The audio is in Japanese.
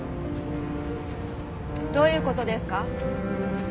どういう事ですか？